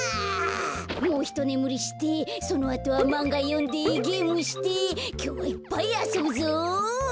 もうひとねむりしてそのあとはまんがよんでゲームしてきょうはいっぱいあそぶぞ！